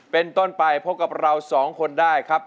เป็นต้นไปพบกับเราสองคนได้ครับ